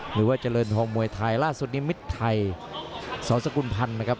หรือว่าเจริญทองมวยไทยล่าสุดนิมิตรไทยสสกุลพันธ์นะครับ